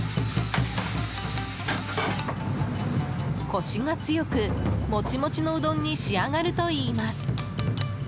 コシが強く、モチモチのうどんに仕上がるといいます。